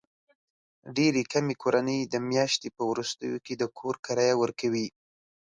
ډېرې کمې کورنۍ د میاشتې په وروستیو کې د کور کرایه ورکوي.